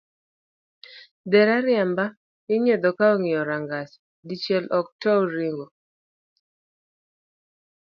Dher ariemba inyiedho ka ingiyo rangach dichiel ok tow ringo